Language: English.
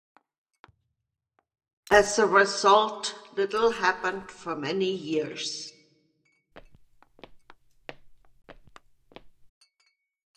As a result, little happened for many years.